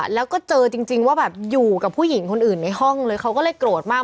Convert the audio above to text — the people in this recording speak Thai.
แล้วก็เจอจริงว่าแบบอยู่กับผู้หญิงคนอื่นในห้องเลยเขาก็เลยโกรธมาก